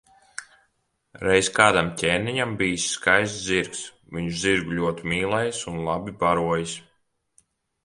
Reiz kādam ķēniņam bijis skaists zirgs, viņš zirgu ļoti mīlējis un labi barojis.